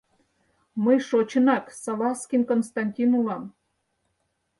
Мый шочынак Салазкин Константин улам...